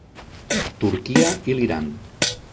Turquia i l'Iran.